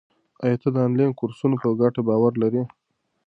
آیا ته د انلاین کورسونو په ګټه باور لرې؟